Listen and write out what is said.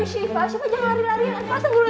aduh syifa syifa jangan lari larian